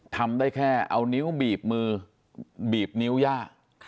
ทำได้แค่เอานิ้วบีบมือบีบนิ้วย่า